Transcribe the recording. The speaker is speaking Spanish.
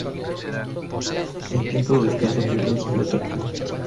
En tiempo de descanso pierden su atractivo.